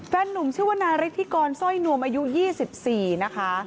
แฟนหนุ่มชื่อว่านาฬิกรสร้อยนวมอายุ๒๔นะคะ